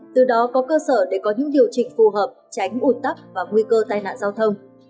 từ đó có cơ sở để có những điều chỉnh phù hợp tránh ủn tắc và nguy cơ tai nạn giao thông